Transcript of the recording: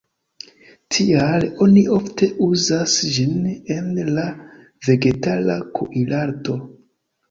Tial oni ofte uzas ĝin en la vegetara kuirarto.